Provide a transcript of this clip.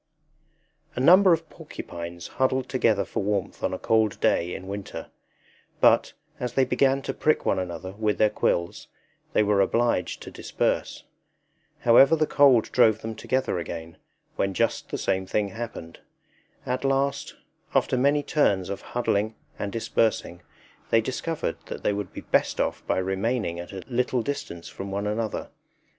A number of porcupines huddled together for warmth on a cold day in winter; but, as they began to prick one another with their quills, they were obliged to disperse. However the cold drove them together again, when just the same thing happened. At last, after many turns of huddling and dispersing, they discovered that they would be best off by remaining at a little distance from one another.